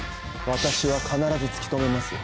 私は必ず突き止めますよ。